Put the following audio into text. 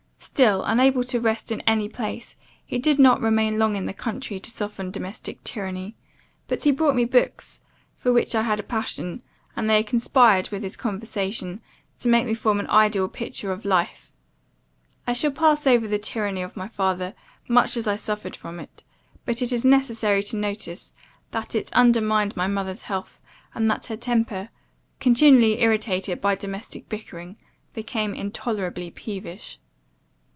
Still, unable to rest in any place, he did not remain long in the country to soften domestic tyranny; but he brought me books, for which I had a passion, and they conspired with his conversation, to make me form an ideal picture of life. I shall pass over the tyranny of my father, much as I suffered from it; but it is necessary to notice, that it undermined my mother's health; and that her temper, continually irritated by domestic bickering, became intolerably peevish.